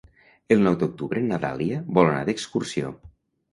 El nou d'octubre na Dàlia vol anar d'excursió.